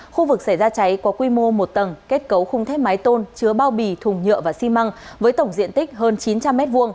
khu vực xảy ra cháy có quy mô một tầng kết cấu khung thép mái tôn chứa bao bì thùng nhựa và xi măng với tổng diện tích hơn chín trăm linh m hai